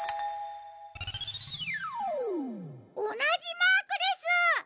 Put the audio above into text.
おなじマークです！